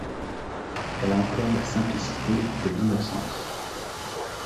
Elle a encore la simplicité de l’innocence.